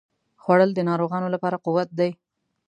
خوړل د ناروغانو لپاره قوت دی